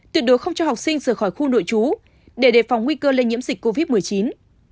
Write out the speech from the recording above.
tuyệt đối không cho học sinh rời khỏi khu nội trú để đề phòng nguy cơ lây nhiễm dịch covid một mươi chín